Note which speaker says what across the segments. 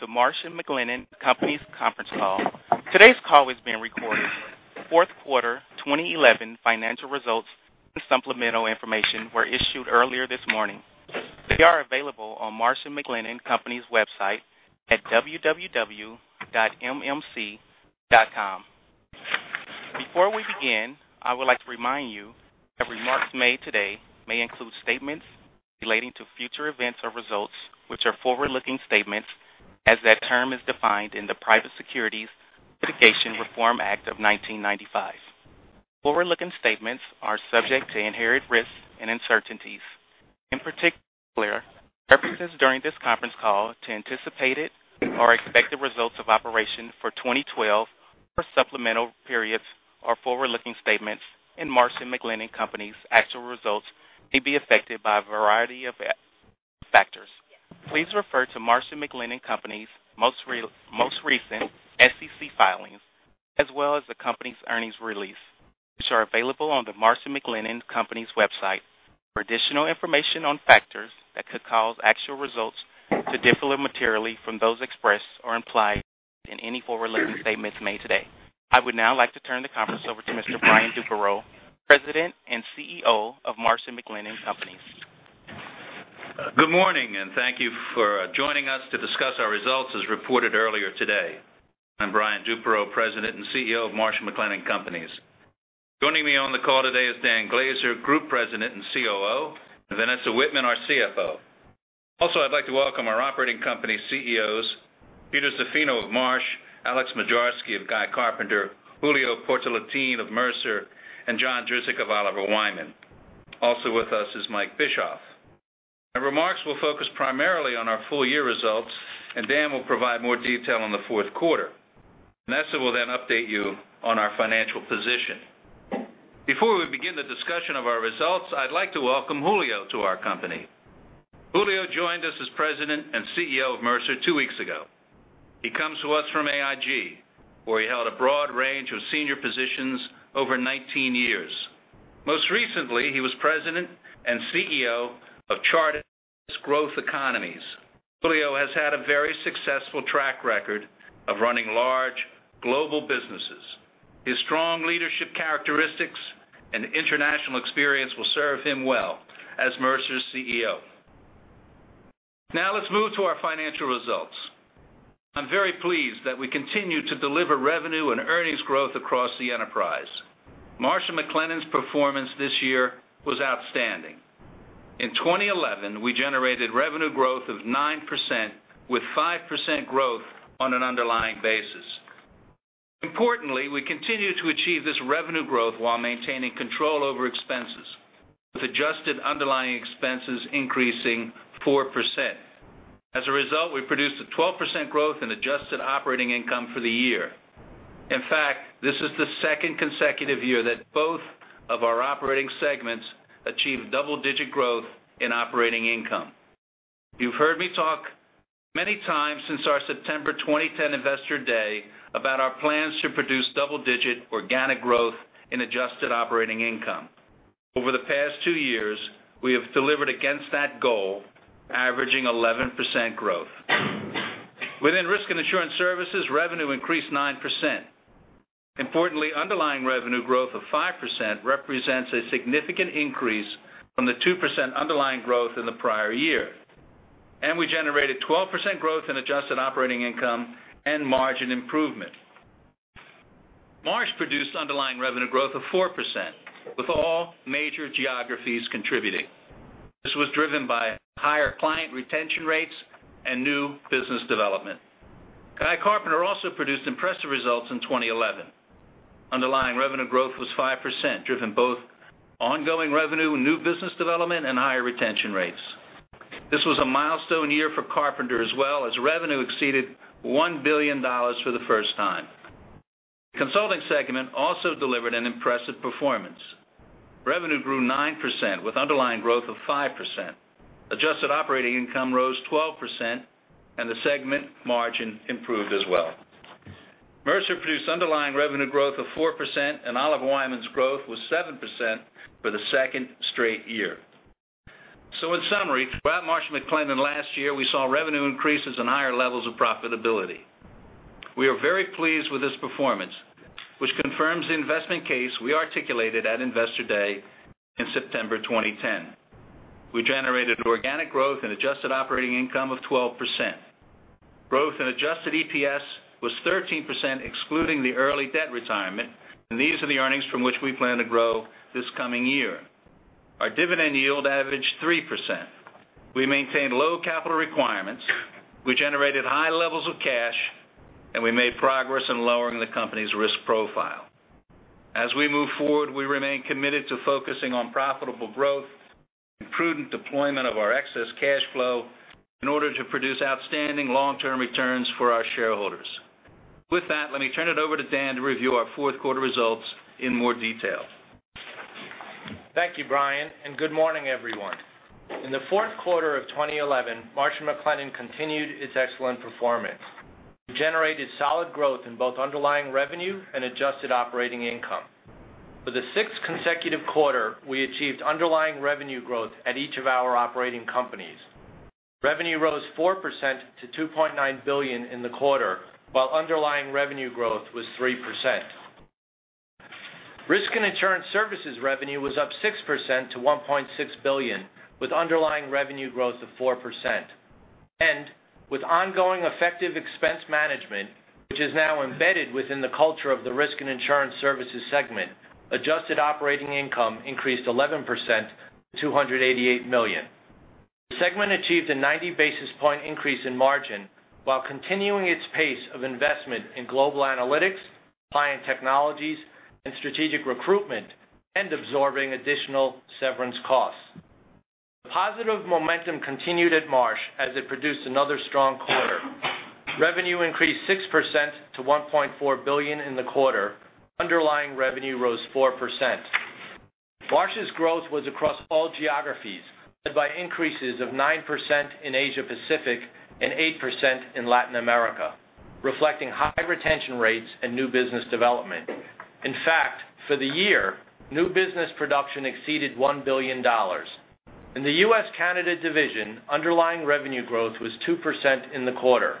Speaker 1: Welcome to Marsh & McLennan Companies conference call. Today's call is being recorded. Fourth quarter 2011 financial results and supplemental information were issued earlier this morning. They are available on Marsh & McLennan Companies's website at www.mmc.com. Before we begin, I would like to remind you that remarks made today may include statements relating to future events or results which are forward-looking statements, as that term is defined in the Private Securities Litigation Reform Act of 1995. Forward-looking statements are subject to inherent risks and uncertainties. In particular, references during this conference call to anticipated or expected results of operation for 2012 or supplemental periods are forward-looking statements, and Marsh & McLennan Companies's actual results may be affected by a variety of factors. Please refer to Marsh & McLennan Companies's most recent SEC filings as well as the company's earnings release, which are available on the Marsh & McLennan Companies's website for additional information on factors that could cause actual results to differ materially from those expressed or implied in any forward-looking statements made today. I would now like to turn the conference over to Mr. Brian Duperreault, President and CEO of Marsh & McLennan Companies.
Speaker 2: Good morning. Thank you for joining us to discuss our results, as reported earlier today. I'm Brian Duperreault, President and CEO of Marsh & McLennan Companies. Joining me on the call today is Dan Glaser, Group President and COO, and Vanessa Wittman, our CFO. Also, I'd like to welcome our operating company CEOs, Peter Zaffino of Marsh, Alex Moczarski of Guy Carpenter, Julio Portalatin of Mercer, and John Drzik of Oliver Wyman. Also with us is Mike Bischoff. My remarks will focus primarily on our full year results, and Dan will provide more detail on the fourth quarter. Vanessa will update you on our financial position. Before we begin the discussion of our results, I'd like to welcome Julio to our company. Julio joined us as President and CEO of Mercer two weeks ago. He comes to us from AIG, where he held a broad range of senior positions over 19 years. Most recently, he was President and CEO of Chartis Growth Economies. Julio has had a very successful track record of running large global businesses. His strong leadership characteristics and international experience will serve him well as Mercer's CEO. Let's move to our financial results. I'm very pleased that we continue to deliver revenue and earnings growth across the enterprise. Marsh & McLennan's performance this year was outstanding. In 2011, we generated revenue growth of 9% with 5% growth on an underlying basis. Importantly, we continue to achieve this revenue growth while maintaining control over expenses, with adjusted underlying expenses increasing 4%. As a result, we produced a 12% growth in adjusted operating income for the year. In fact, this is the second consecutive year that both of our operating segments achieved double-digit growth in operating income. You've heard me talk many times since our September 2010 Investor Day about our plans to produce double-digit organic growth in adjusted operating income. Over the past two years, we have delivered against that goal, averaging 11% growth. Within Risk and Insurance Services, revenue increased 9%. Importantly, underlying revenue growth of 5% represents a significant increase from the 2% underlying growth in the prior year. We generated 12% growth in adjusted operating income and margin improvement. Marsh produced underlying revenue growth of 4%, with all major geographies contributing. This was driven by higher client retention rates and new business development. Guy Carpenter also produced impressive results in 2011. Underlying revenue growth was 5%, driven both by ongoing revenue, new business development, and higher retention rates. This was a milestone year for Carpenter as well, as revenue exceeded $1 billion for the first time. The Consulting segment also delivered an impressive performance. Revenue grew 9%, with underlying growth of 5%. Adjusted operating income rose 12%, and the segment margin improved as well. Mercer produced underlying revenue growth of 4%, and Oliver Wyman's growth was 7% for the second straight year. In summary, throughout Marsh & McLennan last year, we saw revenue increases and higher levels of profitability. We are very pleased with this performance, which confirms the investment case we articulated at Investor Day in September 2010. We generated organic growth in adjusted operating income of 12%. Growth in adjusted EPS was 13%, excluding the early debt retirement, and these are the earnings from which we plan to grow this coming year. Our dividend yield averaged 3%. We maintained low capital requirements, we generated high levels of cash, and we made progress in lowering the company's risk profile. As we move forward, we remain committed to focusing on profitable growth and prudent deployment of our excess cash flow in order to produce outstanding long-term returns for our shareholders. With that, let me turn it over to Dan to review our fourth quarter results in more detail.
Speaker 3: Thank you, Brian, and good morning, everyone. In the fourth quarter of 2011, Marsh & McLennan continued its excellent performance. We generated solid growth in both underlying revenue and adjusted operating income for the sixth. We achieved underlying revenue growth at each of our operating companies. Revenue rose 4% to $2.9 billion in the quarter, while underlying revenue growth was 3%. Risk and insurance services revenue was up 6% to $1.6 billion, with underlying revenue growth of 4%. With ongoing effective expense management, which is now embedded within the culture of the risk and insurance services segment, adjusted operating income increased 11%, $288 million. The segment achieved a 90 basis point increase in margin while continuing its pace of investment in global analytics, client technologies and strategic recruitment, and absorbing additional severance costs. The positive momentum continued at Marsh as it produced another strong quarter. Revenue increased 6% to $1.4 billion in the quarter. Underlying revenue rose 4%. Marsh's growth was across all geographies, led by increases of 9% in Asia-Pacific and 8% in Latin America, reflecting high retention rates and new business development. In fact, for the year, new business production exceeded $1 billion. In the U.S.-Canada division, underlying revenue growth was 2% in the quarter.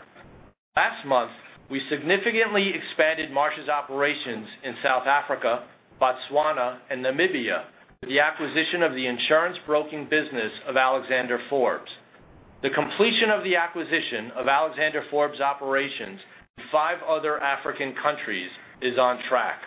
Speaker 3: Last month, we significantly expanded Marsh's operations in South Africa, Botswana and Namibia with the acquisition of the insurance broking business of Alexander Forbes. The completion of the acquisition of Alexander Forbes operations in five other African countries is on track.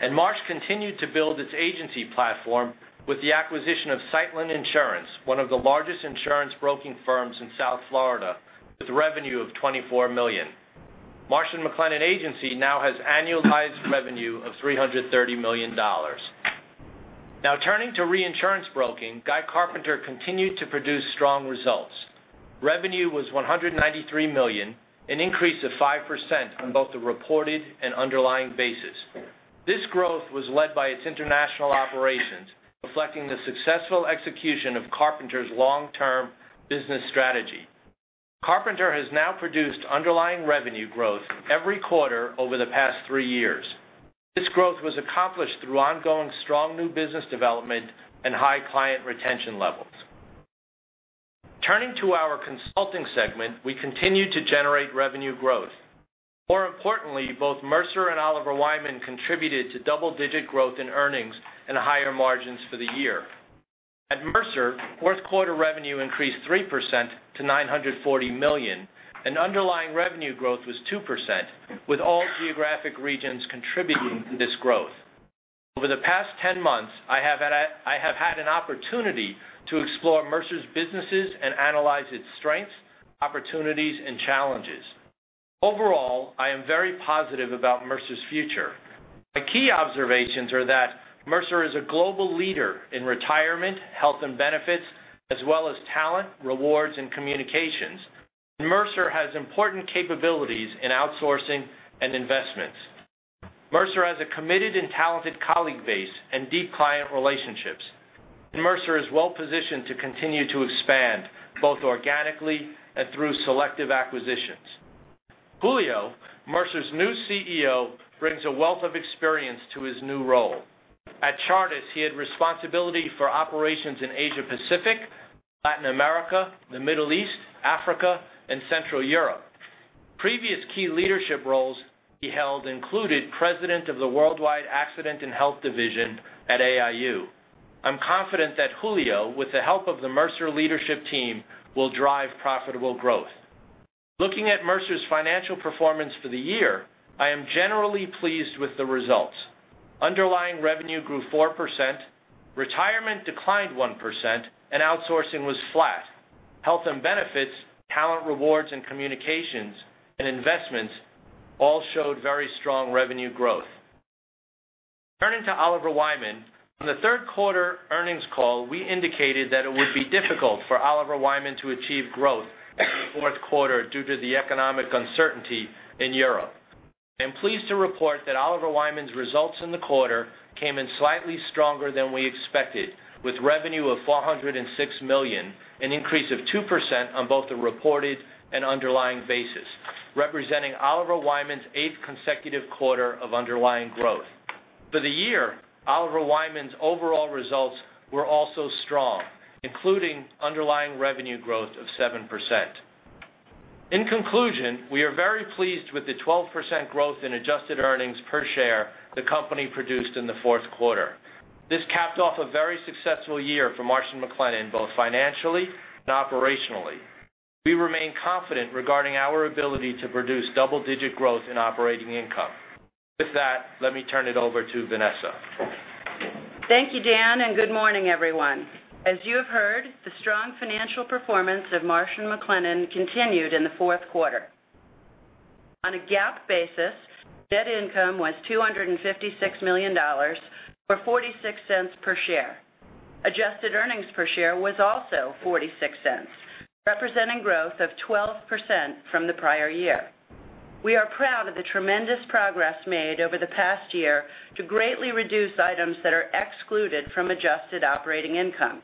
Speaker 3: Marsh continued to build its agency platform with the acquisition of Seitlin Insurance, one of the largest insurance broking firms in South Florida, with revenue of $24 million. Marsh & McLennan Agency now has annualized revenue of $330 million. Turning to reinsurance broking, Guy Carpenter continued to produce strong results. Revenue was $193 million, an increase of 5% on both the reported and underlying basis. This growth was led by its international operations, reflecting the successful execution of Carpenter's long-term business strategy. Carpenter has now produced underlying revenue growth every quarter over the past three years. This growth was accomplished through ongoing strong new business development and high client retention levels. Turning to our consulting segment, we continue to generate revenue growth. More importantly, both Mercer and Oliver Wyman contributed to double-digit growth in earnings and higher margins for the year. At Mercer, fourth quarter revenue increased 3% to $940 million, and underlying revenue growth was 2%, with all geographic regions contributing to this growth. Over the past 10 months, I have had an opportunity to explore Mercer's businesses and analyze its strengths, opportunities and challenges. Overall, I am very positive about Mercer's future. My key observations are that Mercer is a global leader in retirement, health and benefits as well as talent, rewards and communications. Mercer has important capabilities in outsourcing and investments. Mercer has a committed and talented colleague base and deep client relationships. Mercer is well positioned to continue to expand both organically and through selective acquisitions. Julio, Mercer's new CEO, brings a wealth of experience to his new role. At Chartis, he had responsibility for operations in Asia-Pacific, Latin America, the Middle East, Africa, and Central Europe. Previous key leadership roles he held included President of the Worldwide Accident and Health Division at AIU. I'm confident that Julio, with the help of the Mercer leadership team, will drive profitable growth. Looking at Mercer's financial performance for the year, I am generally pleased with the results. Underlying revenue grew 4%, retirement declined 1%, and outsourcing was flat. Health and benefits, talent rewards and communications and investments all showed very strong revenue growth. Turning to Oliver Wyman. On the third quarter earnings call, we indicated that it would be difficult for Oliver Wyman to achieve growth in the fourth quarter due to the economic uncertainty in Europe. I'm pleased to report that Oliver Wyman's results in the quarter came in slightly stronger than we expected, with revenue of $406 million, an increase of 2% on both the reported and underlying basis, representing Oliver Wyman's eighth consecutive quarter of underlying growth. For the year, Oliver Wyman's overall results were also strong, including underlying revenue growth of 7%. In conclusion, we are very pleased with the 12% growth in adjusted earnings per share the company produced in the fourth quarter. This capped off a very successful year for Marsh & McLennan, both financially and operationally. We remain confident regarding our ability to produce double-digit growth in operating income. With that, let me turn it over to Vanessa.
Speaker 4: Thank you, Dan, and good morning, everyone. As you have heard, the strong financial performance of Marsh & McLennan continued in the fourth quarter. On a GAAP basis, net income was $256 million or $0.46 per share. Adjusted earnings per share was also $0.46, representing growth of 12% from the prior year. We are proud of the tremendous progress made over the past year to greatly reduce items that are excluded from adjusted operating income.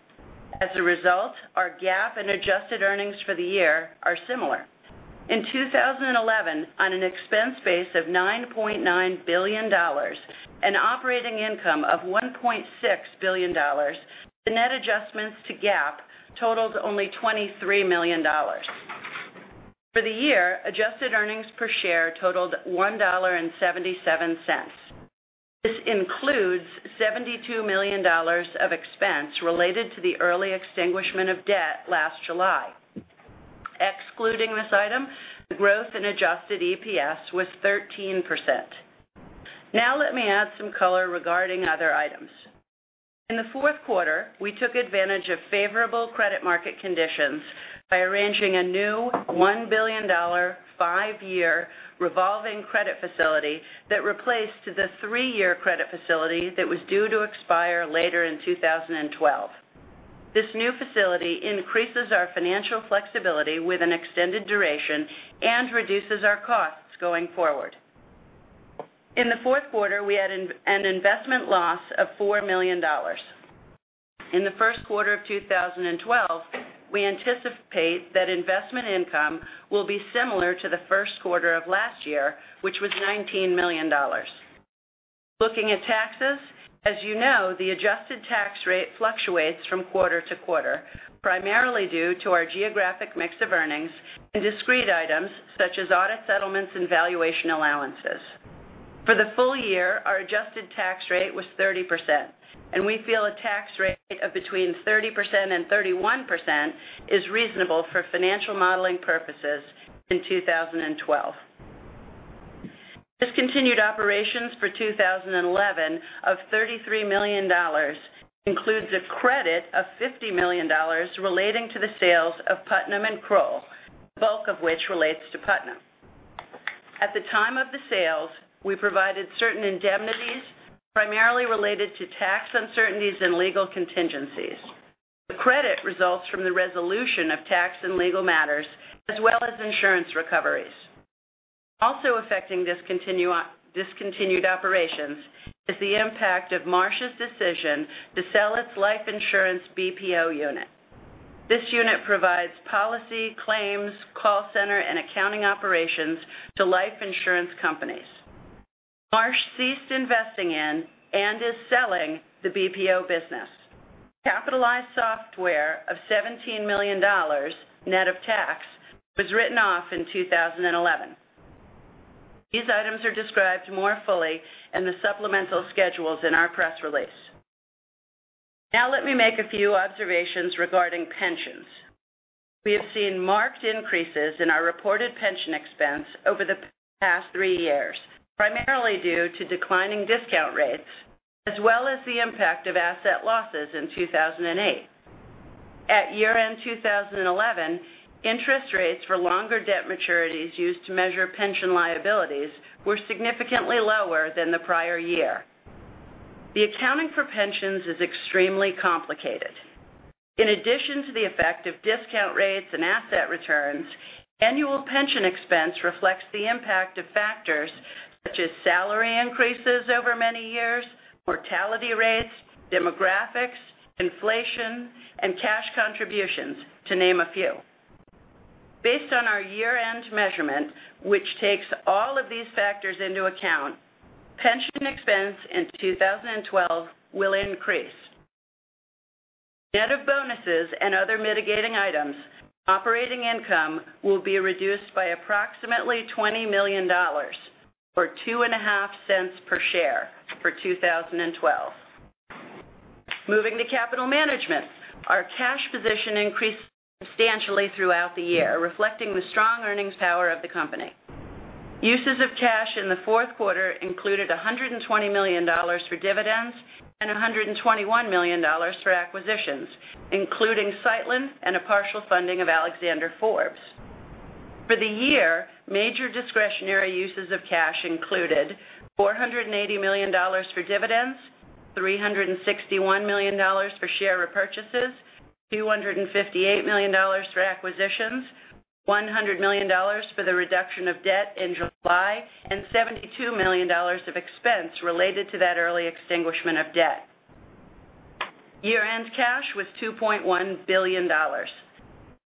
Speaker 4: As a result, our GAAP and adjusted earnings for the year are similar. In 2011, on an expense base of $9.9 billion, an operating income of $1.6 billion, the net adjustments to GAAP totaled only $23 million. For the year, adjusted earnings per share totaled $1.77. This includes $72 million of expense related to the early extinguishment of debt last July. Excluding this item, the growth in adjusted EPS was 13%. Let me add some color regarding other items. In the fourth quarter, we took advantage of favorable credit market conditions by arranging a new $1 billion, five-year revolving credit facility that replaced the three-year credit facility that was due to expire later in 2012. This new facility increases our financial flexibility with an extended duration and reduces our costs going forward. In the fourth quarter, we had an investment loss of $4 million. In the first quarter of 2012, we anticipate that investment income will be similar to the first quarter of last year, which was $19 million. Looking at taxes, as you know, the adjusted tax rate fluctuates from quarter to quarter, primarily due to our geographic mix of earnings and discrete items such as audit settlements and valuation allowances. For the full year, our adjusted tax rate was 30%, and we feel a tax rate of between 30% and 31% is reasonable for financial modeling purposes in 2012. Discontinued operations for 2011 of $33 million includes a credit of $50 million relating to the sales of Putnam and Kroll, bulk of which relates to Putnam. At the time of the sales, we provided certain indemnities, primarily related to tax uncertainties and legal contingencies. The credit results from the resolution of tax and legal matters, as well as insurance recoveries. Also affecting discontinued operations is the impact of Marsh's decision to sell its life insurance BPO unit. This unit provides policy, claims, call center, and accounting operations to life insurance companies. Marsh ceased investing in and is selling the BPO business. Capitalized software of $17 million, net of tax, was written off in 2011. These items are described more fully in the supplemental schedules in our press release. Let me make a few observations regarding pensions. We have seen marked increases in our reported pension expense over the past three years, primarily due to declining discount rates, as well as the impact of asset losses in 2008. At year-end 2011, interest rates for longer debt maturities used to measure pension liabilities were significantly lower than the prior year. The accounting for pensions is extremely complicated. In addition to the effect of discount rates and asset returns, annual pension expense reflects the impact of factors such as salary increases over many years, mortality rates, demographics, inflation, and cash contributions, to name a few. Based on our year-end measurement, which takes all of these factors into account, pension expense in 2012 will increase. Net of bonuses and other mitigating items, operating income will be reduced by approximately $20 million, or $0.025 per share for 2012. Moving to capital management. Our cash position increased substantially throughout the year, reflecting the strong earnings power of the company. Uses of cash in the fourth quarter included $120 million for dividends and $121 million for acquisitions, including Seitlin and a partial funding of Alexander Forbes. For the year, major discretionary uses of cash included $480 million for dividends, $361 million for share repurchases, $258 million for acquisitions, $100 million for the reduction of debt in July, and $72 million of expense related to that early extinguishment of debt. Year-end cash was $2.1 billion.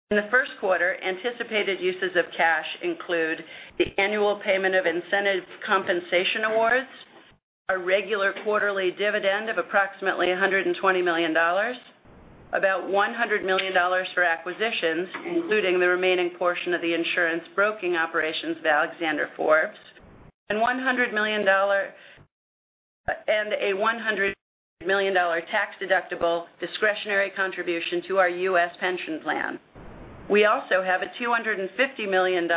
Speaker 4: In the first quarter, anticipated uses of cash include the annual payment of incentive compensation awards, a regular quarterly dividend of approximately $120 million, about $100 million for acquisitions, including the remaining portion of the insurance broking operations of Alexander Forbes, and a $100 million tax-deductible discretionary contribution to our U.S. pension plan. We also have a $250 million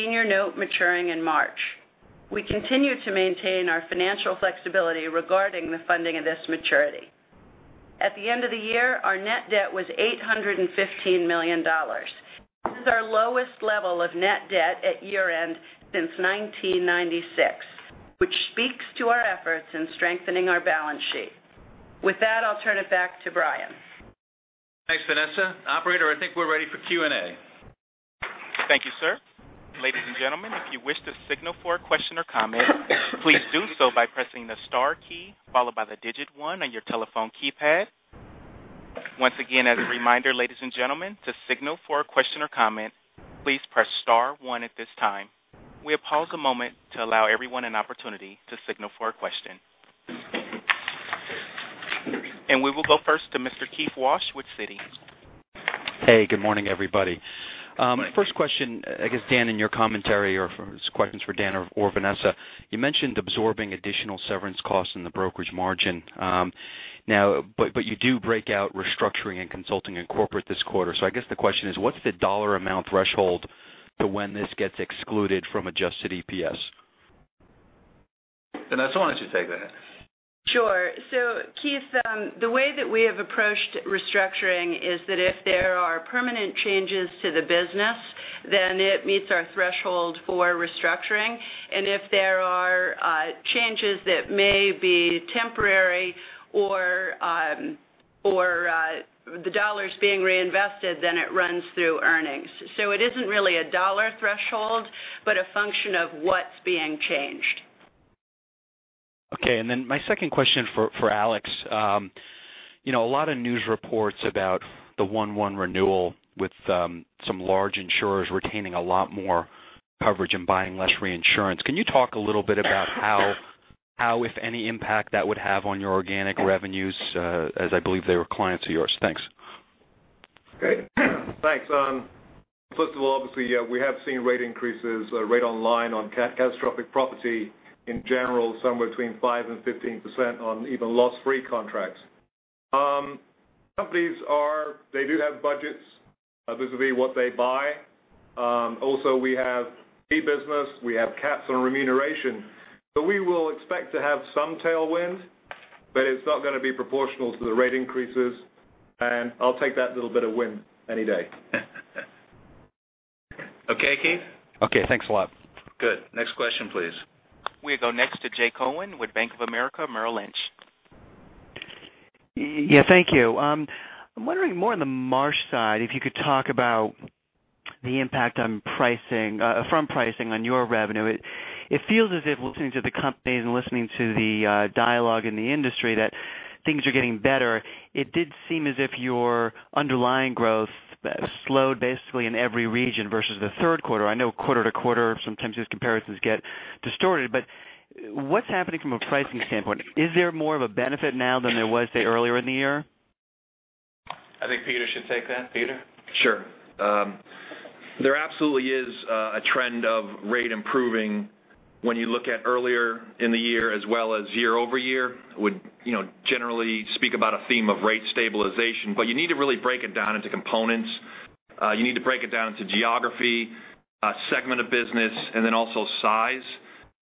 Speaker 4: senior note maturing in March. We continue to maintain our financial flexibility regarding the funding of this maturity. At the end of the year, our net debt was $815 million. This is our lowest level of net debt at year-end since 1996, which speaks to our efforts in strengthening our balance sheet. With that, I'll turn it back to Brian.
Speaker 2: Thanks, Vanessa. Operator, I think we're ready for Q&A.
Speaker 1: Thank you, sir. Ladies and gentlemen, if you wish to signal for a question or comment, followed by the digit one on your telephone keypad. Once again, as a reminder, ladies and gentlemen, to signal for a question or comment, please press star one at this time. We'll pause a moment to allow everyone an opportunity to signal for a question. We will go first to Mr. Keith Walsh with Citi.
Speaker 5: Hey, good morning, everybody. First question, I guess, Dan, in your commentary, or questions for Dan or Vanessa, you mentioned absorbing additional severance costs in the brokerage margin. You do break out restructuring and consulting and corporate this quarter. I guess the question is, what's the dollar amount threshold to when this gets excluded from adjusted EPS?
Speaker 2: Vanessa, why don't you take that?
Speaker 4: Sure. Keith, the way that we have approached restructuring is that if there are permanent changes to the business, then it meets our threshold for restructuring, and if there are changes that may be temporary or the dollar is being reinvested, then it runs through earnings. It isn't really a dollar threshold, but a function of what's being changed.
Speaker 5: Okay. Then my second question for Alex. A lot of news reports about the one-one renewal with some large insurers retaining a lot more coverage and buying less reinsurance. Can you talk a little bit about how, if any, impact that would have on your organic revenues, as I believe they were clients of yours. Thanks.
Speaker 6: Great. Thanks. First of all, obviously, we have seen rate increases, rate on line on catastrophic property in general, somewhere between 5% and 15% on even loss-free contracts. Companies do have budgets. This will be what they buy. Also, we have fee business, we have caps on remuneration. We will expect to have some tailwind, but it's not going to be proportional to the rate increases, and I'll take that little bit of wind any day. Okay, Keith?
Speaker 5: Okay. Thanks a lot.
Speaker 2: Good. Next question, please.
Speaker 1: We go next to Jay Cohen with Bank of America Merrill Lynch.
Speaker 7: Yeah, thank you. I'm wondering more on the Marsh side, if you could talk about the impact from pricing on your revenue. It feels as if listening to the companies and listening to the dialogue in the industry, that things are getting better. It did seem as if your underlying growth slowed basically in every region versus the third quarter. I know quarter to quarter, sometimes these comparisons get distorted, but what's happening from a pricing standpoint? Is there more of a benefit now than there was, say, earlier in the year?
Speaker 2: I think Peter should take that. Peter?
Speaker 8: Sure. There absolutely is a trend of rate improving when you look at earlier in the year as well as year-over-year, would generally speak about a theme of rate stabilization. You need to really break it down into components. You need to break it down into geography, segment of business, and then also size.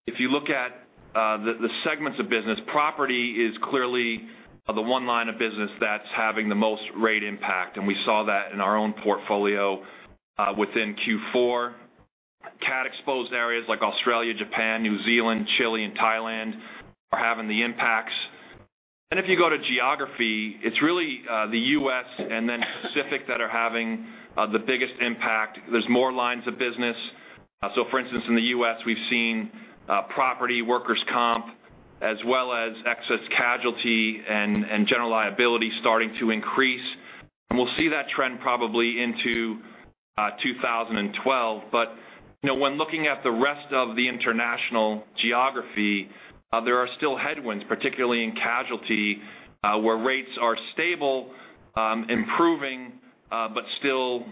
Speaker 8: If you look at the segments of business, property is clearly the one line of business that's having the most rate impact, and we saw that in our own portfolio within Q4. Cat exposed areas like Australia, Japan, New Zealand, Chile, and Thailand are having the impacts. If you go to geography, it's really the U.S. and then Pacific that are having the biggest impact. There's more lines of business. For instance, in the U.S., we've seen property, workers' comp, as well as excess casualty and general liability starting to increase. We'll see that trend probably into 2012. When looking at the rest of the international geography, there are still headwinds, particularly in casualty, where rates are stable, improving, but still,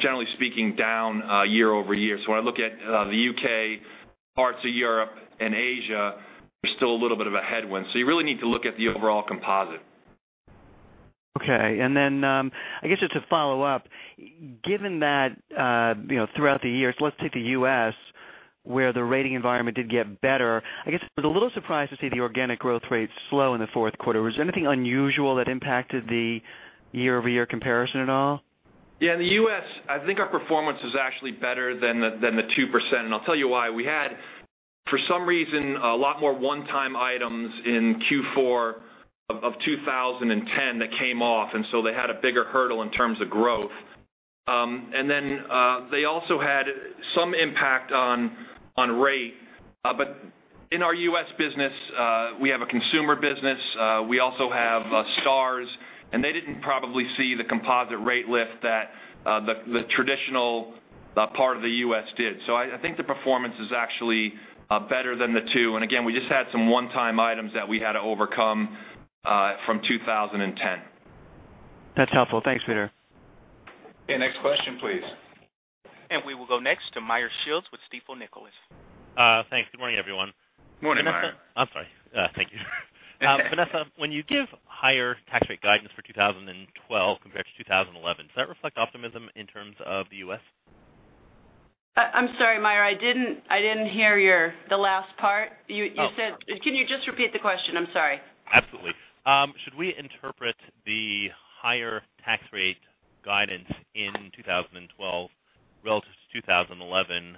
Speaker 8: generally speaking, down year-over-year. When I look at the U.K., parts of Europe, and Asia, there's still a little bit of a headwind. You really need to look at the overall composite.
Speaker 7: Okay, just to follow up, given that throughout the years, let's take the U.S., where the rating environment did get better. I was a little surprised to see the organic growth rate slow in the fourth quarter. Was there anything unusual that impacted the year-over-year comparison at all?
Speaker 8: Yeah. In the U.S., I think our performance is actually better than the 2%, and I'll tell you why. We had, for some reason, a lot more one-time items in Q4 of 2010 that came off, they had a bigger hurdle in terms of growth. They also had some impact on rate. In our U.S. business, we have a consumer business. We also have Stars, and they didn't probably see the composite rate lift that the traditional part of the U.S. did. I think the performance is actually better than the two, and again, we just had some one-time items that we had to overcome from 2010.
Speaker 7: That's helpful. Thanks, Peter.
Speaker 2: Okay, next question, please.
Speaker 1: We will go next to Meyer Shields with Stifel Nicolaus.
Speaker 9: Thanks. Good morning, everyone.
Speaker 2: Morning, Meyer.
Speaker 9: I'm sorry. Thank you. Vanessa, when you give higher tax rate guidance for 2012 compared to 2011, does that reflect optimism in terms of the U.S.?
Speaker 4: I'm sorry, Meyer, I didn't hear the last part.
Speaker 9: Oh.
Speaker 4: Can you just repeat the question? I'm sorry.
Speaker 9: Absolutely. Should we interpret the higher tax rate guidance in 2012 relative to 2011,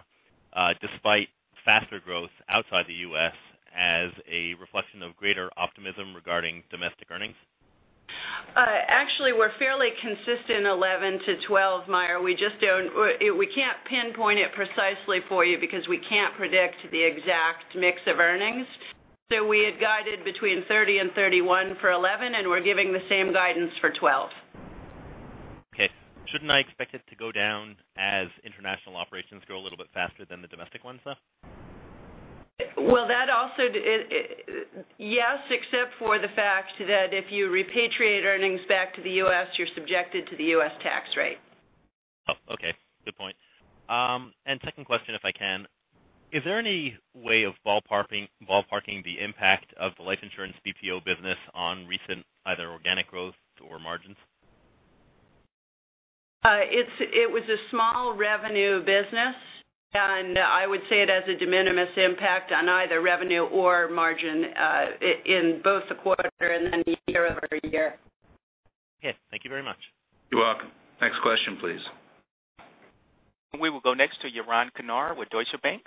Speaker 9: despite faster growth outside the U.S., as a reflection of greater optimism regarding domestic earnings?
Speaker 4: Actually, we're fairly consistent 2011 to 2012, Meyer. We can't pinpoint it precisely for you because we can't predict the exact mix of earnings. We had guided between 30 and 31 for 2011, and we're giving the same guidance for 2012.
Speaker 9: Okay. Shouldn't I expect it to go down as international operations grow a little bit faster than the domestic ones, though?
Speaker 4: Yes, except for the fact that if you repatriate earnings back to the U.S., you're subjected to the U.S. tax rate.
Speaker 9: Oh, okay. Good point. Second question, if I can. Is there any way of ballparking the impact of the life insurance BPO business on recent either organic growth or margins?
Speaker 4: It was a small revenue business, and I would say it has a de minimis impact on either revenue or margin, in both the quarter and then year-over-year.
Speaker 9: Okay. Thank you very much.
Speaker 2: You're welcome. Next question, please.
Speaker 1: We will go next to Yaron Kinar with Deutsche Bank.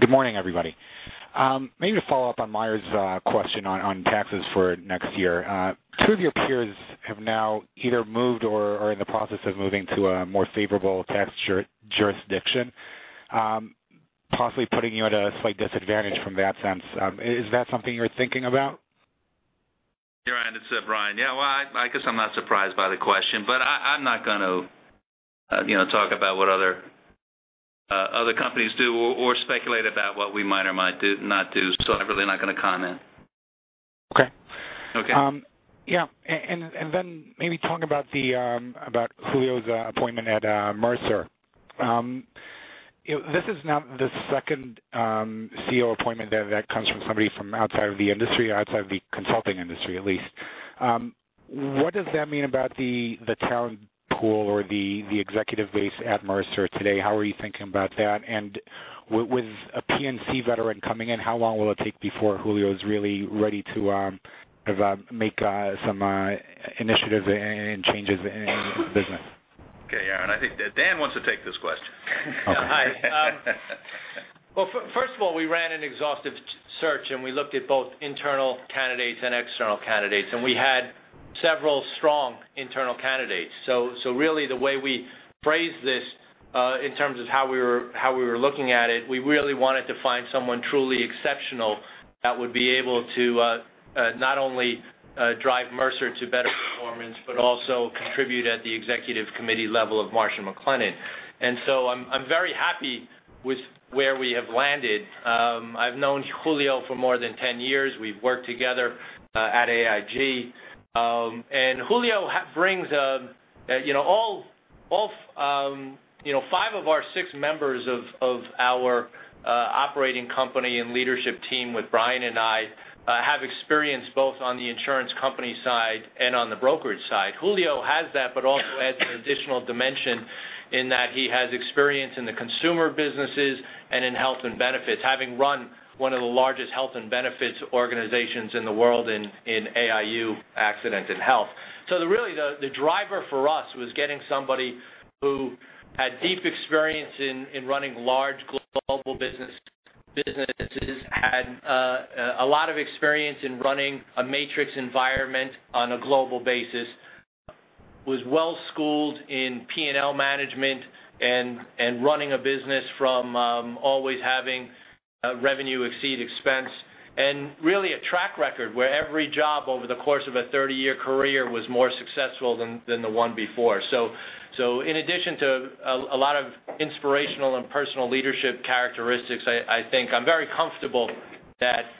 Speaker 10: Good morning, everybody. To follow up on Meyer Shields' question on taxes for next year. Two of your peers have now either moved or are in the process of moving to a more favorable tax jurisdiction, possibly putting you at a slight disadvantage from that sense. Is that something you're thinking about?
Speaker 2: Yaron Kinar, this is Brian Duperreault. Yeah, I guess I'm not surprised by the question. I'm not going to talk about what other companies do or speculate about what we might or might not do. I'm really not going to comment.
Speaker 10: Okay.
Speaker 2: Okay.
Speaker 10: Yeah. Maybe talk about Julio Portalatin's appointment at Mercer. This is now the second CEO appointment that comes from somebody from outside of the industry, outside of the consulting industry, at least. What does that mean about the talent pool or the executive base at Mercer today? How are you thinking about that? With a P&C veteran coming in, how long will it take before Julio Portalatin's really ready to make some initiatives and changes in the business?
Speaker 2: Okay, Yaron Kinar, I think Dan Glaser wants to take this question.
Speaker 10: Okay.
Speaker 3: Hi. First of all, we ran an exhaustive search, we looked at both internal candidates and external candidates, we had several strong internal candidates. Really, the way we phrased this, in terms of how we were looking at it, we really wanted to find someone truly exceptional that would be able to not only drive Mercer to better performance, but also contribute at the executive committee level of Marsh & McLennan. I'm very happy with where we have landed. I've known Julio for more than 10 years. We've worked together at AIG. 5 of our 6 members of our operating company and leadership team with Brian and I have experience both on the insurance company side and on the brokerage side.
Speaker 4: Julio has that also adds an additional dimension in that he has experience in the consumer businesses and in health and benefits, having run one of the largest health and benefits organizations in the world in AIU, accident and health. Really, the driver for us was getting somebody who had deep experience in running large global businesses, had a lot of experience in running a matrix environment on a global basis, was well-schooled in P&L management and running a business from always having revenue exceed expense, and really a track record where every job over the course of a 30-year career was more successful than the one before. In addition to a lot of inspirational and personal leadership characteristics, I think I'm very comfortable that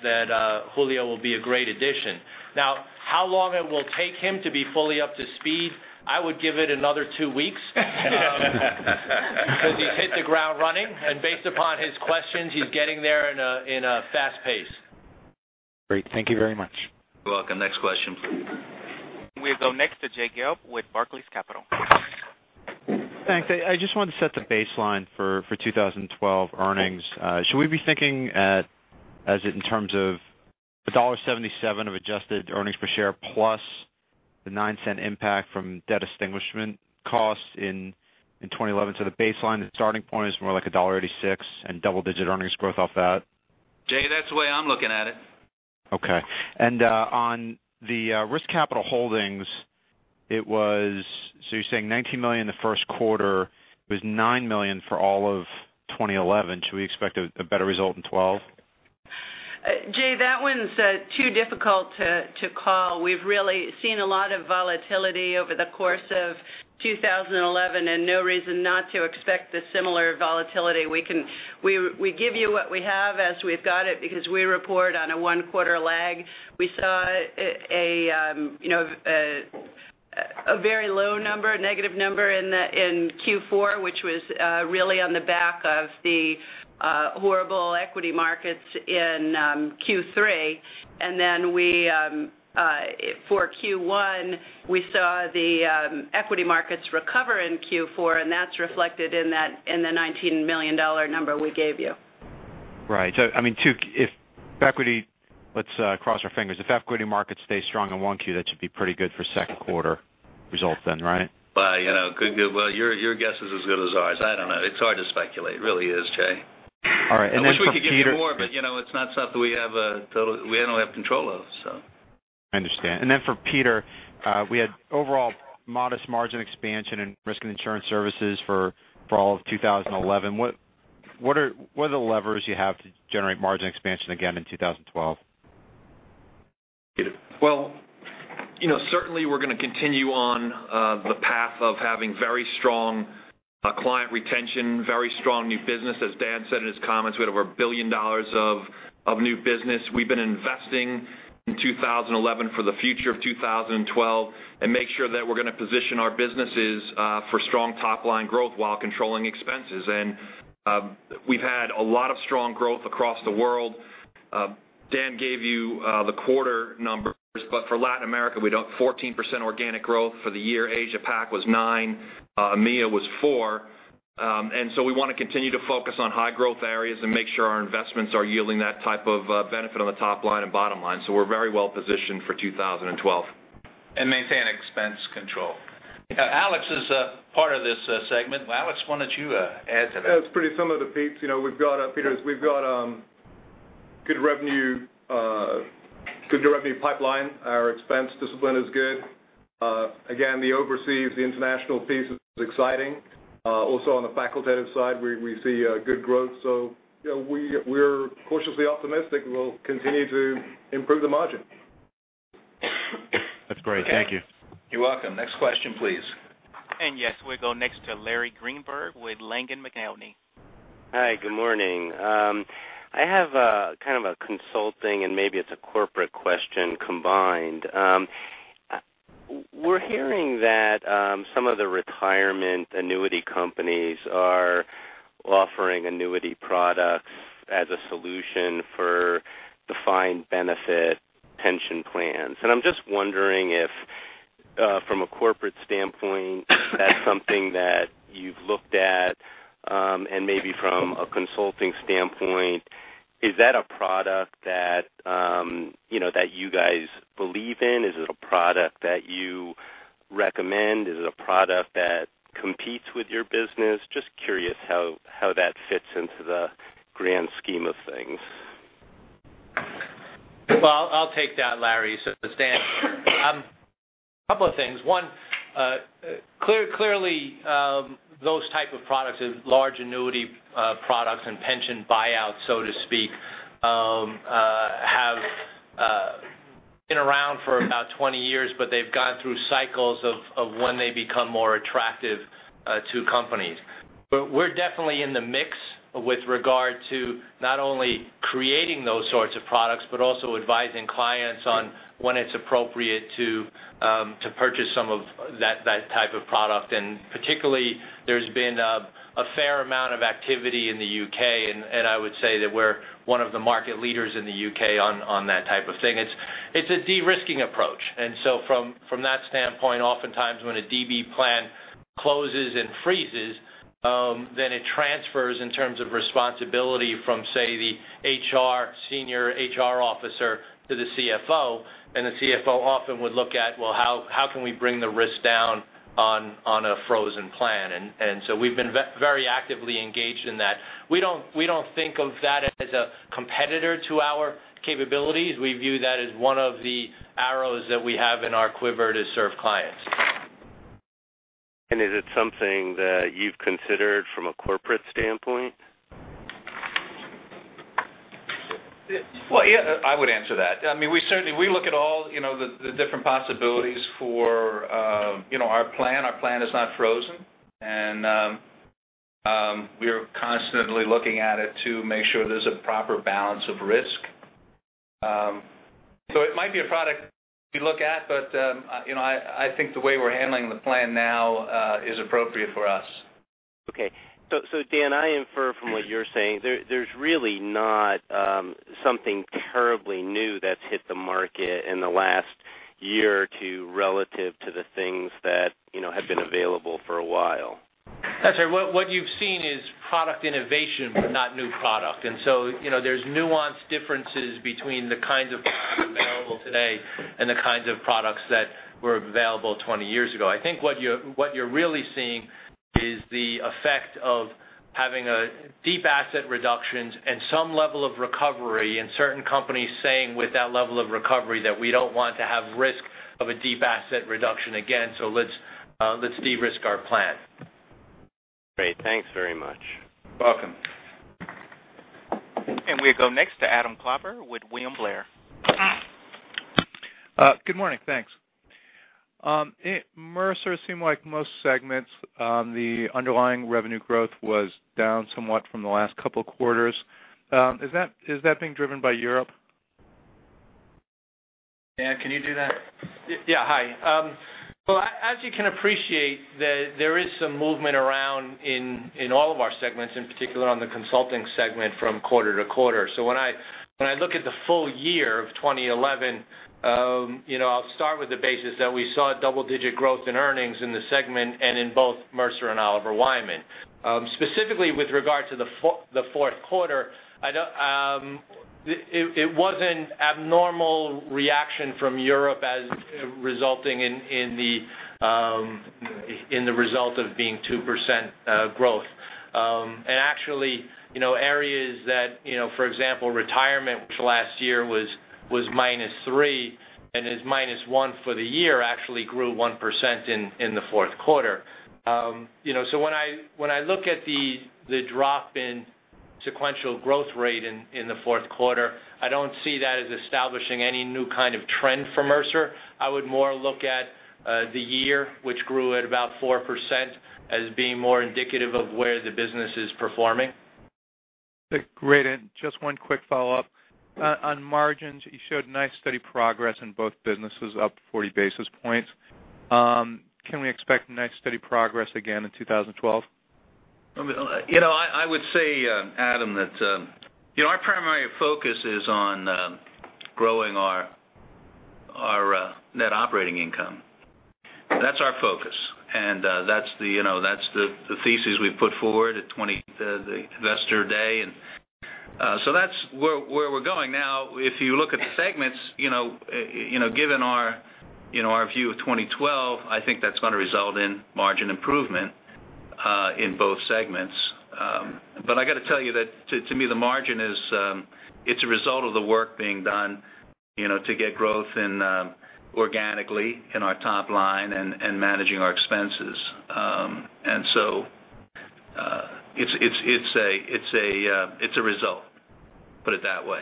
Speaker 4: Julio will be a great addition. Now, how long it will take him to be fully up to speed? I would give it another two weeks. Because he's hit the ground running, and based upon his questions, he's getting there in a fast pace.
Speaker 10: Great. Thank you very much.
Speaker 2: You're welcome. Next question, please.
Speaker 1: We'll go next to Jay Gelb with Barclays Capital.
Speaker 11: Thanks. I just wanted to set the baseline for 2012 earnings. Should we be thinking at, as in terms of $1.77 of adjusted earnings per share plus the $0.09 impact from debt extinguishment costs in 2011? The baseline, the starting point is more like $1.86 and double-digit earnings growth off that?
Speaker 4: Jay, that's the way I'm looking at it.
Speaker 11: Okay. On the risk capital holdings, you're saying $19 million in the first quarter. It was $9 million for all of 2011. Should we expect a better result in 2012?
Speaker 4: Jay, that one's too difficult to call. We've really seen a lot of volatility over the course of 2011 and no reason not to expect the similar volatility. We give you what we have as we've got it because we report on a one-quarter lag. We saw a very low number, a negative number in Q4, which was really on the back of the horrible equity markets in Q3. For Q1, we saw the equity markets recover in Q4, and that's reflected in the $19 million number we gave you.
Speaker 11: Right. Let's cross our fingers. If equity markets stay strong in 1Q, that should be pretty good for second quarter results then, right?
Speaker 4: Well, your guess is as good as ours. I don't know. It's hard to speculate. Really is, Jay.
Speaker 11: All right. For Peter.
Speaker 3: I wish we could give you more, but it's not something we have total control of.
Speaker 11: I understand. For Peter, we had overall modest margin expansion in risk and insurance services for all of 2011. What are the levers you have to generate margin expansion again in 2012?
Speaker 2: Peter.
Speaker 8: Certainly we're going to continue on the path of having very strong client retention, very strong new business. As Dan said in his comments, we had over $1 billion of new business. We've been investing in 2011 for the future of 2012 and make sure that we're going to position our businesses for strong top-line growth while controlling expenses. We've had a lot of strong growth across the world. Dan gave you the quarter numbers, but for Latin America, we're up 14% organic growth for the year. Asia PAC was nine, EMEA was four. We want to continue to focus on high growth areas and make sure our investments are yielding that type of benefit on the top line and bottom line. We're very well-positioned for 2012.
Speaker 3: Maintain expense control. Alex is a part of this segment. Alex, why don't you add to that?
Speaker 6: Yeah, it's pretty similar to Pete. We've got good revenue pipeline. Our expense discipline is good. Again, the overseas, the international piece is exciting. Also on the facultative side, we see good growth. We're cautiously optimistic we'll continue to improve the margin.
Speaker 11: That's great. Thank you.
Speaker 2: You're welcome. Next question, please.
Speaker 1: Yes, we'll go next to Larry Greenberg with Langen McAlenney.
Speaker 12: Hi, good morning. I have kind of a consulting and maybe it's a corporate question combined. We're hearing that some of the retirement annuity companies are offering annuity products as a solution for defined benefit pension plans. I'm just wondering if, from a corporate standpoint, that's something that you've looked at, and maybe from a consulting standpoint, is that a product that you guys believe in? Is it a product that you recommend? Is it a product that competes with your business? Just curious how that fits into the grand scheme of things.
Speaker 3: Well, I'll take that, Larry. This is Dan speaking. A couple of things. One, clearly, those type of products, large annuity products and pension buyouts, so to speak, have been around for about 20 years, but they've gone through cycles of when they become more attractive to companies. We're definitely in the mix with regard to not only creating those sorts of products, but also advising clients on when it's appropriate to purchase some of that type of product. Particularly, there's been a fair amount of activity in the U.K., and I would say that we're one of the market leaders in the U.K. on that type of thing. It's a de-risking approach. From that standpoint, oftentimes when a DB plan closes and freezes, then it transfers in terms of responsibility from, say, the senior HR officer to the CFO, the CFO often would look at, well, how can we bring the risk down on a frozen plan? We've been very actively engaged in that. We don't think of that as a competitor to our capabilities. We view that as one of the arrows that we have in our quiver to serve clients.
Speaker 12: Is it something that you've considered from a corporate standpoint?
Speaker 3: I would answer that. We look at all the different possibilities for our plan. Our plan is not frozen, and we are constantly looking at it to make sure there's a proper balance of risk. It might be a product we look at, but I think the way we're handling the plan now is appropriate for us.
Speaker 12: Dan, I infer from what you're saying, there's really not something terribly new that's hit the market in the last year or two relative to the things that have been available for a while.
Speaker 3: That's right. What you've seen is product innovation, but not new product. There's nuance differences between the kinds of products available today and the kinds of products that were available 20 years ago. I think what you're really seeing is the effect of having deep asset reductions and some level of recovery and certain companies saying with that level of recovery that we don't want to have risk of a deep asset reduction again, let's de-risk our plan.
Speaker 12: Great. Thanks very much.
Speaker 3: Welcome.
Speaker 1: We go next to Adam Klauber with William Blair.
Speaker 13: Good morning. Thanks. Mercer seemed like most segments, the underlying revenue growth was down somewhat from the last couple of quarters. Is that being driven by Europe?
Speaker 2: Dan, can you do that?
Speaker 3: Yeah. Hi. Well, as you can appreciate, there is some movement around in all of our segments, in particular on the consulting segment from quarter to quarter. When I look at the full year of 2011, I'll start with the basis that we saw double-digit growth in earnings in the segment and in both Mercer and Oliver Wyman. Specifically with regard to the fourth quarter It wasn't abnormal reaction from Europe as resulting in the result of being 2% growth. Actually, areas that, for example, retirement, which last year was -3% and is -1% for the year, actually grew 1% in the fourth quarter. When I look at the drop in sequential growth rate in the fourth quarter, I don't see that as establishing any new kind of trend for Mercer. I would more look at the year, which grew at about 4%, as being more indicative of where the business is performing.
Speaker 13: Great. Just one quick follow-up. On margins, you showed nice steady progress in both businesses, up 40 basis points. Can we expect nice steady progress again in 2012?
Speaker 2: I would say, Adam, that our primary focus is on growing our net operating income. That's our focus, that's the thesis we put forward at the investor day, that's where we're going. Now, if you look at the segments, given our view of 2012, I think that's going to result in margin improvement, in both segments. I got to tell you that to me, the margin is a result of the work being done to get growth organically in our top line and managing our expenses. It's a result, put it that way.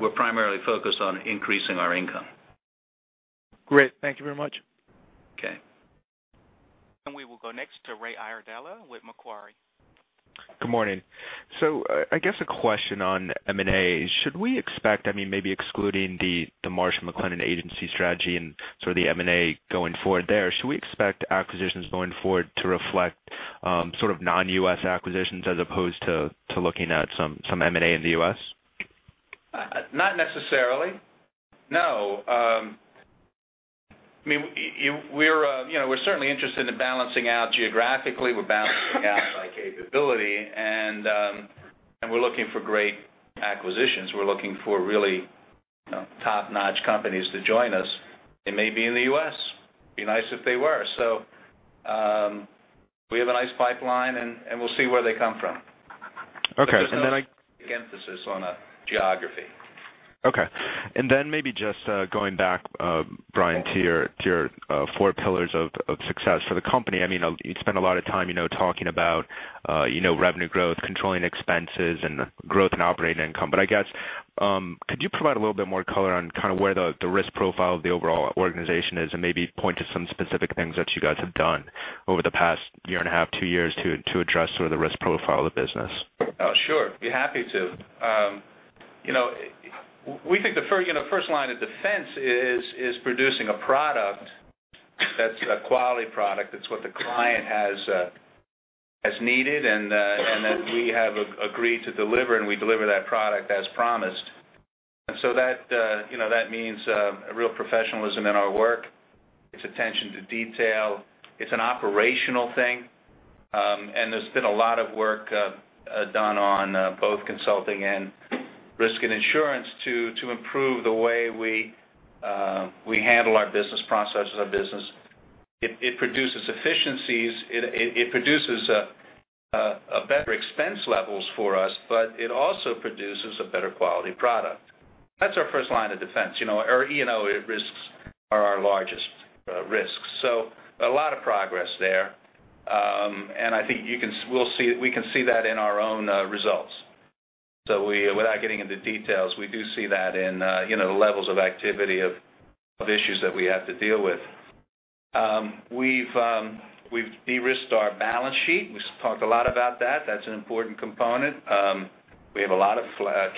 Speaker 2: We're primarily focused on increasing our income.
Speaker 13: Great. Thank you very much.
Speaker 2: Okay.
Speaker 1: We will go next to Raymond Iardella with Macquarie.
Speaker 14: Good morning. I guess a question on M&A. Should we expect, maybe excluding the Marsh & McLennan Agency strategy and sort of the M&A going forward there, should we expect acquisitions going forward to reflect sort of non-U.S. acquisitions as opposed to looking at some M&A in the U.S.?
Speaker 2: Not necessarily, no. We're certainly interested in balancing out geographically, we're balancing out by capability, and we're looking for great acquisitions. We're looking for really top-notch companies to join us. They may be in the U.S. Be nice if they were. We have a nice pipeline, and we'll see where they come from.
Speaker 14: Okay. Then.
Speaker 2: emphasis on a geography.
Speaker 14: Okay. Then maybe just going back, Brian, to your four pillars of success for the company. You'd spent a lot of time talking about revenue growth, controlling expenses, and growth in operating income. I guess, could you provide a little bit more color on where the risk profile of the overall organization is, and maybe point to some specific things that you guys have done over the past year and a half, two years, to address the risk profile of the business?
Speaker 2: Sure. Be happy to. We think the first line of defense is producing a product that's a quality product, that's what the client has needed and that we have agreed to deliver, and we deliver that product as promised. That means a real professionalism in our work. It's attention to detail. It's an operational thing. There's been a lot of work done on both consulting and risk and insurance to improve the way we handle our business processes, our business. It produces efficiencies. It produces better expense levels for us, but it also produces a better quality product. That's our first line of defense. Our E&O risks are our largest risks. A lot of progress there. I think we can see that in our own results. Without getting into details, we do see that in the levels of activity of issues that we have to deal with. We've de-risked our balance sheet. We've talked a lot about that. That's an important component. We have a lot of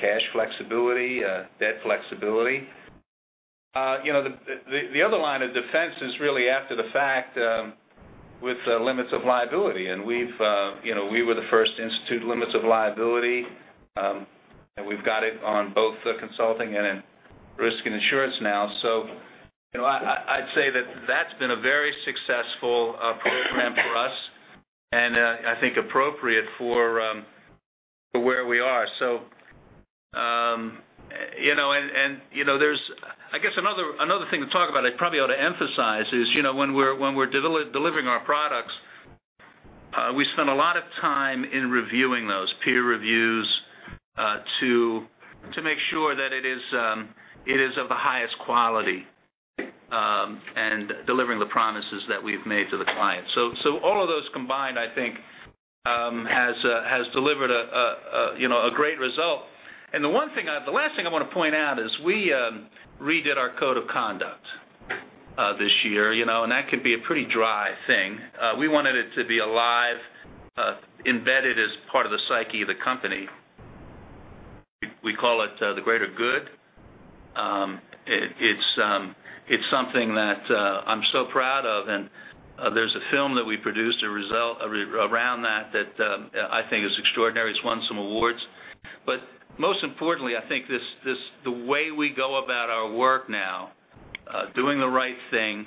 Speaker 2: cash flexibility, debt flexibility. The other line of defense is really after the fact, with limits of liability, and we were the first to institute limits of liability. We've got it on both the consulting and in risk and insurance now. I'd say that that's been a very successful program for us, and I think appropriate for where we are. I guess another thing to talk about, I probably ought to emphasize, is when we're delivering our products, we spend a lot of time in reviewing those, peer reviews, to make sure that it is of the highest quality and delivering the promises that we've made to the client. All of those combined, I think, has delivered a great result. The last thing I want to point out is we redid our code of conduct this year. That can be a pretty dry thing. We wanted it to be alive, embedded as part of the psyche of the company. We call it The Greater Good. It's something that I'm so proud of, and there's a film that we produced around that I think is extraordinary. It's won some awards. Most importantly, I think the way we go about our work now, doing the right thing,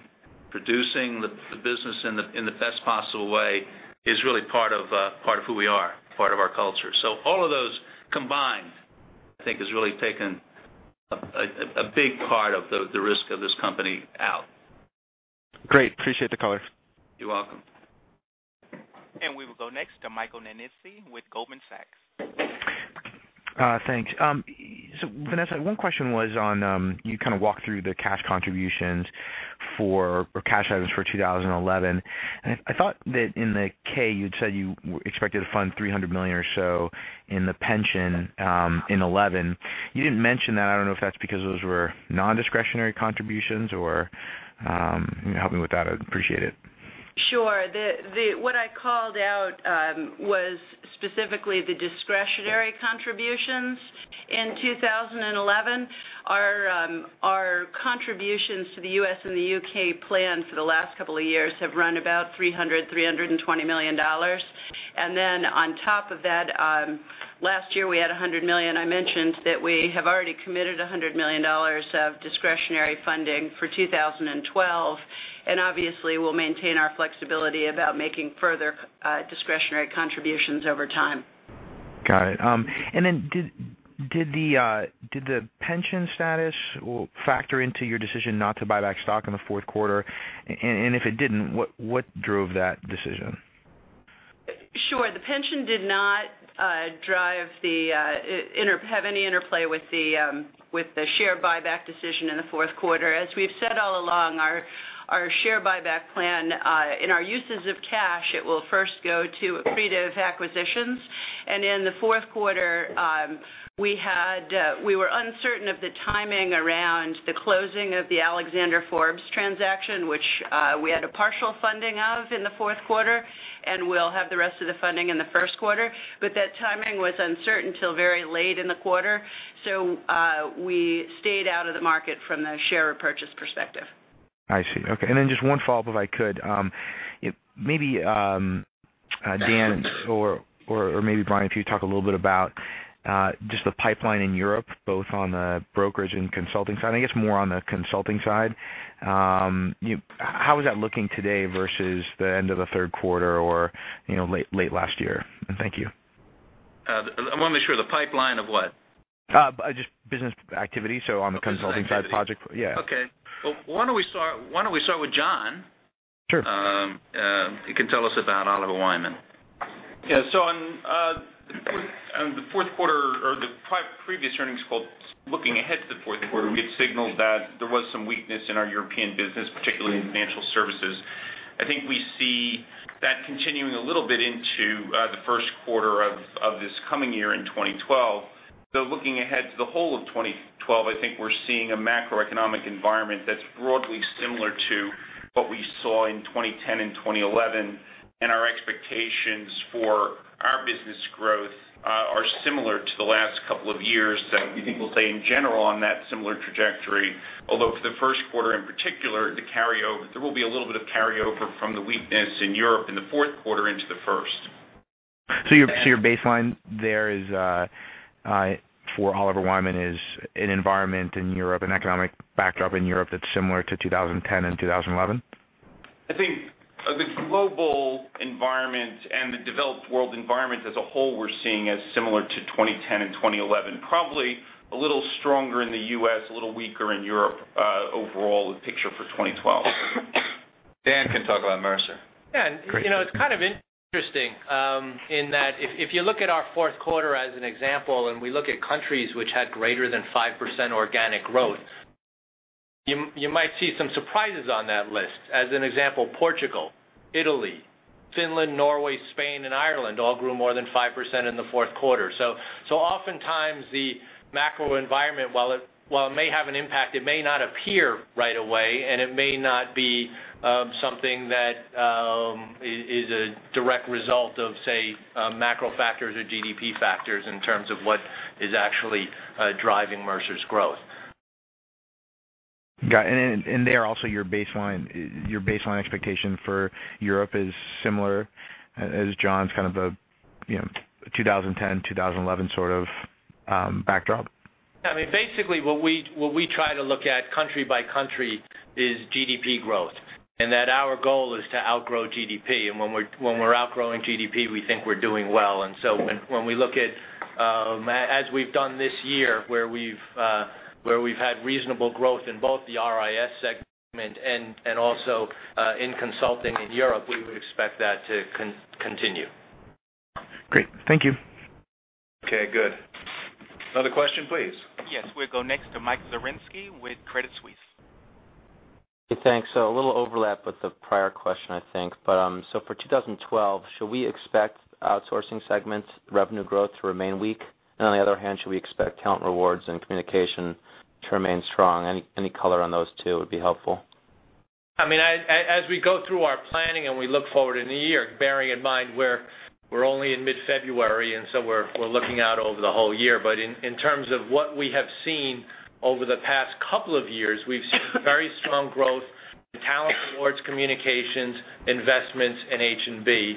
Speaker 2: producing the business in the best possible way is really part of who we are, part of our culture. All of those combined, I think, has really taken a big part of the risk of this company out.
Speaker 15: Great. Appreciate the color.
Speaker 2: You're welcome.
Speaker 3: We will go next to Michael Nannizzi with Goldman Sachs.
Speaker 15: Thanks. Vanessa, one question was on, you kind of walked through the cash contributions for, or cash items for 2011. I thought that in the K you'd said you expected to fund $300 million or so in the pension in 2011. You didn't mention that. I don't know if that's because those were non-discretionary contributions, or you can help me with that, I'd appreciate it?
Speaker 4: Sure. What I called out was specifically the discretionary contributions in 2011. Our contributions to the U.S. and the U.K. plan for the last couple of years have run about $300 million, $320 million. Then on top of that, last year we had $100 million. I mentioned that we have already committed $100 million of discretionary funding for 2012, and obviously we'll maintain our flexibility about making further discretionary contributions over time.
Speaker 15: Got it. Did the pension status factor into your decision not to buy back stock in the fourth quarter? If it didn't, what drove that decision?
Speaker 4: Sure. The pension did not have any interplay with the share buyback decision in the fourth quarter. As we've said all along, our share buyback plan, in our uses of cash, it will first go to accretive acquisitions. In the fourth quarter, we were uncertain of the timing around the closing of the Alexander Forbes transaction, which we had a partial funding of in the fourth quarter, and we'll have the rest of the funding in the first quarter. That timing was uncertain till very late in the quarter, so we stayed out of the market from the share purchase perspective.
Speaker 15: I see. Okay, just one follow-up, if I could. Maybe Dan or maybe Brian, if you could talk a little bit about just the pipeline in Europe, both on the brokerage and consulting side, I guess more on the consulting side. How is that looking today versus the end of the third quarter or late last year? Thank you.
Speaker 2: I want to make sure, the pipeline of what?
Speaker 15: Just business activity, so on the consulting side project.
Speaker 2: Business activity.
Speaker 15: Yeah.
Speaker 2: Okay. Why don't we start with John?
Speaker 15: Sure.
Speaker 2: He can tell us about Oliver Wyman.
Speaker 16: Yeah. On the fourth quarter or the previous earnings call, looking ahead to the fourth quarter, we had signaled that there was some weakness in our European business, particularly in financial services. I think we see that continuing a little bit into the first quarter of this coming year in 2012. Looking ahead to the whole of 2012, I think we're seeing a macroeconomic environment that's broadly similar to what we saw in 2010 and 2011. Our expectations for our business growth are similar to the last couple of years that we think will stay, in general, on that similar trajectory. Although for the first quarter in particular, there will be a little bit of carryover from the weakness in Europe in the fourth quarter into the first.
Speaker 15: Your baseline there for Oliver Wyman is an environment in Europe, an economic backdrop in Europe that's similar to 2010 and 2011?
Speaker 16: I think the global environment and the developed world environment as a whole, we're seeing as similar to 2010 and 2011, probably a little stronger in the U.S., a little weaker in Europe, overall the picture for 2012.
Speaker 2: Dan can talk about Mercer.
Speaker 15: Great.
Speaker 3: Yeah. It's kind of interesting, in that if you look at our fourth quarter as an example, and we look at countries which had greater than 5% organic growth, you might see some surprises on that list. As an example, Portugal, Italy, Finland, Norway, Spain, and Ireland all grew more than 5% in the fourth quarter. Oftentimes the macro environment, while it may have an impact, it may not appear right away, and it may not be something that is a direct result of, say, macro factors or GDP factors in terms of what is actually driving Mercer's growth.
Speaker 15: Got it. There also, your baseline expectation for Europe is similar as John's kind of the 2010, 2011 sort of backdrop?
Speaker 3: I mean, basically what we try to look at country by country is GDP growth, that our goal is to outgrow GDP. When we're outgrowing GDP, we think we're doing well. When we look at, as we've done this year, where we've had reasonable growth in both the RIS segment and also in consulting in Europe, we would expect that to continue.
Speaker 15: Great. Thank you.
Speaker 2: Okay, good. Another question, please.
Speaker 3: Yes. We'll go next to Michael Zaremski with Credit Suisse.
Speaker 17: Okay, thanks. A little overlap with the prior question, I think. For 2012, should we expect outsourcing segments revenue growth to remain weak? On the other hand, should we expect talent rewards and communication to remain strong? Any color on those two would be helpful.
Speaker 3: I mean, as we go through our planning and we look forward into the year, bearing in mind we're only in mid-February, we're looking out over the whole year. In terms of what we have seen over the past couple of years, we've seen very strong growth in talent rewards, communications, investments, and H&B.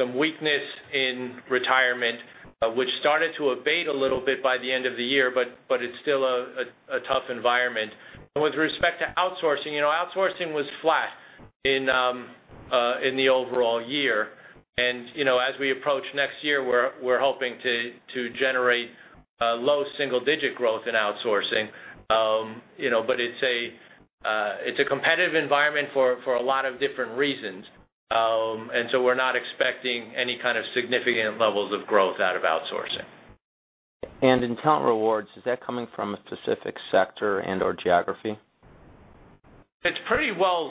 Speaker 3: Some weakness in retirement, which started to abate a little bit by the end of the year, but it's still a tough environment. With respect to outsourcing was flat in the overall year. As we approach next year, we're hoping to generate low single-digit growth in outsourcing. It's a competitive environment for a lot of different reasons. We're not expecting any kind of significant levels of growth out of outsourcing.
Speaker 17: In talent rewards, is that coming from a specific sector and/or geography?
Speaker 3: It's pretty well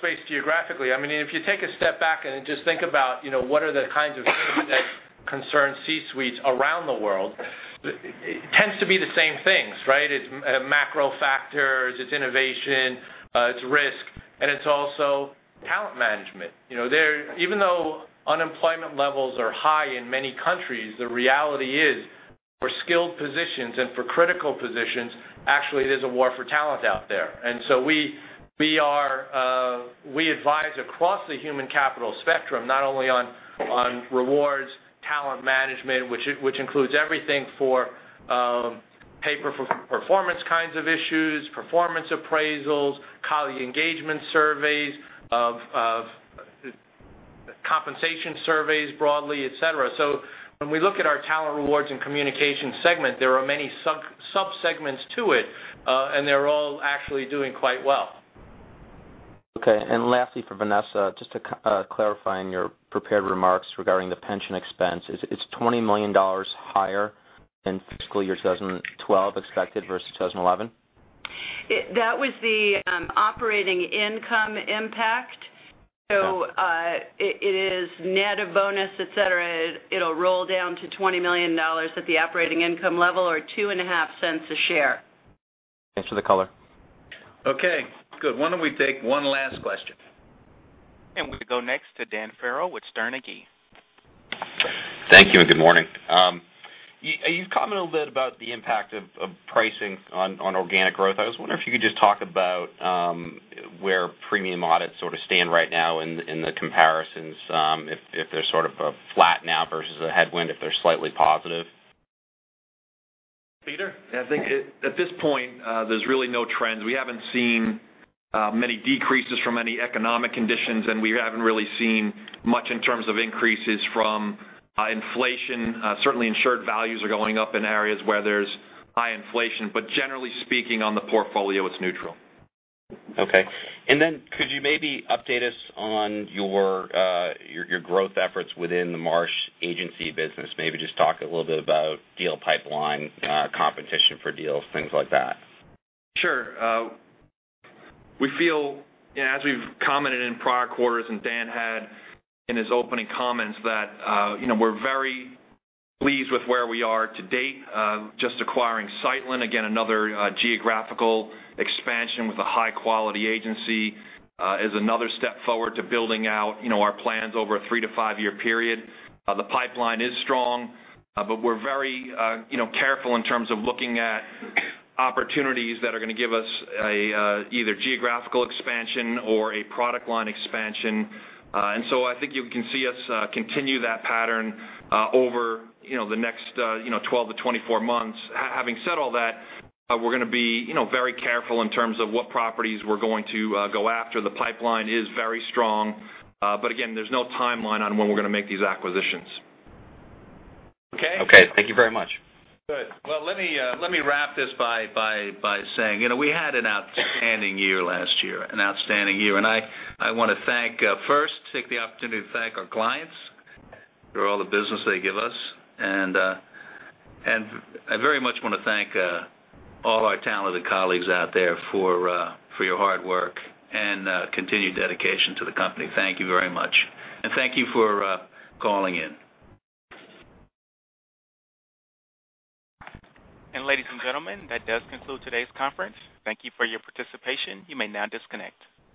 Speaker 3: spaced geographically. If you take a step back and just think about what are the kinds of things that concern C-suites around the world, it tends to be the same things, right? It's macro factors, it's innovation, it's risk, and it's also talent management. Even though unemployment levels are high in many countries, the reality is for skilled positions and for critical positions, actually, there's a war for talent out there. We advise across the human capital spectrum, not only on rewards, talent management, which includes everything for pay-for-performance kinds of issues, performance appraisals, colleague engagement surveys, compensation surveys broadly, et cetera. When we look at our talent rewards and communication segment, there are many sub-segments to it, and they're all actually doing quite well.
Speaker 17: Okay, lastly, for Vanessa, just to clarify in your prepared remarks regarding the pension expense, it's $20 million higher than fiscal year 2012 expected versus 2011?
Speaker 4: That was the operating income impact.
Speaker 17: Okay.
Speaker 4: It is net of bonus, et cetera. It'll roll down to $20 million at the operating income level or $0.025 a share.
Speaker 17: Thanks for the color.
Speaker 2: Okay, good. Why don't we take one last question?
Speaker 1: We go next to Dan Farrell with Sterne Agee.
Speaker 18: Thank you. Good morning. You've commented a bit about the impact of pricing on organic growth. I was wondering if you could just talk about where premium audits stand right now in the comparisons, if they're sort of flat now versus a headwind, if they're slightly positive.
Speaker 2: Peter?
Speaker 17: Yeah.
Speaker 8: I think at this point, there's really no trends. We haven't seen many decreases from any economic conditions, and we haven't really seen much in terms of increases from inflation. Certainly insured values are going up in areas where there's high inflation, but generally speaking, on the portfolio, it's neutral.
Speaker 18: Okay. Could you maybe update us on your growth efforts within the Marsh agency business? Maybe just talk a little bit about deal pipeline, competition for deals, things like that.
Speaker 8: Sure. We feel, as we've commented in prior quarters, Dan had in his opening comments, that we're very pleased with where we are to date. Just acquiring Seitlin, again, another geographical expansion with a high-quality agency is another step forward to building out our plans over a three to five-year period. The pipeline is strong, we're very careful in terms of looking at opportunities that are going to give us either geographical expansion or a product line expansion. I think you can see us continue that pattern over the next 12-24 months. Having said all that, we're going to be very careful in terms of what properties we're going to go after. The pipeline is very strong. Again, there's no timeline on when we're going to make these acquisitions. Okay?
Speaker 18: Okay. Thank you very much.
Speaker 2: Good. Well, let me wrap this by saying, we had an outstanding year last year, an outstanding year. I want to first take the opportunity to thank our clients for all the business they give us. I very much want to thank all our talented colleagues out there for your hard work and continued dedication to the company. Thank you very much. Thank you for calling in.
Speaker 1: Ladies and gentlemen, that does conclude today's conference. Thank you for your participation. You may now disconnect.